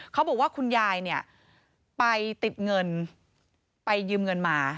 เขาบอกว่าคุณยายเนี่ยไปติดเงินไปยืมเงินมา